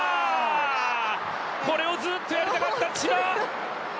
これをずっとやりたかった、千葉！